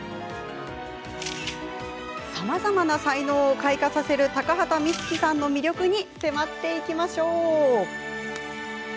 さまざまな才能を開花させる高畑充希さんの魅力に迫ります。